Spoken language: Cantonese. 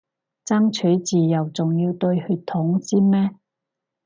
爭取自由仲要對血統先咩